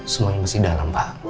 semuanya masih dalam pak